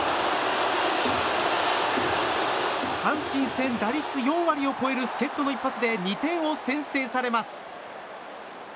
阪神戦打率４割を超える助っ人の一発で２点を先制されます。